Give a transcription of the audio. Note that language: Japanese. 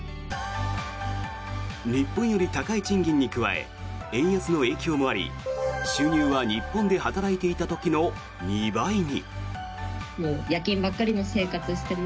日本より高い賃金に加え円安の影響もあり収入は日本で働いていた時の２倍に。